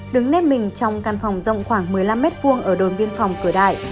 đứng nếp mình trong căn phòng rộng khoảng một mươi năm m hai ở đồn biên phòng cửa đại